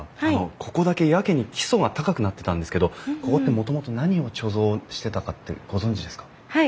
ここだけやけに基礎が高くなってたんですけどここってもともと何を貯蔵してたかってご存じですか？